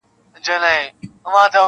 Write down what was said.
مور د کور درد زغمي,